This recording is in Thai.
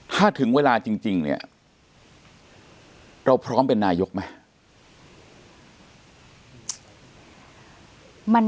ถ้าถึงเวลาจริงเนี่ยเราพร้อมเป็นนายกไหม